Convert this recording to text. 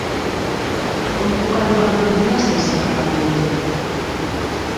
Com puc arribar a Polinyà sense agafar el metro?